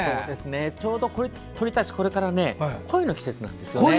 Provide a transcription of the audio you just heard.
ちょうど、鳥たちこれから恋の季節なんですよね。